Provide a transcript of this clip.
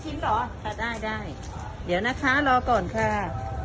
เหรอค่ะได้ได้เดี๋ยวนะคะรอก่อนค่ะ